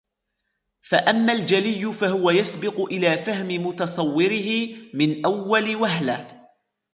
فَأَمَّا الْجَلِيُّ فَهُوَ يَسْبِقُ إلَى فَهْمِ مُتَصَوِّرِهِ مِنْ أَوَّلِ وَهْلَةٍ